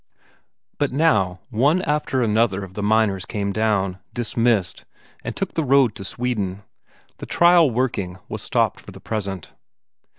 But now one after another of the miners came down, dismissed, and took the road to Sweden; the trial working was stopped for the present.